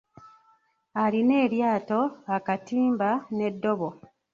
Alina eryato, akatiimba n'eddobo.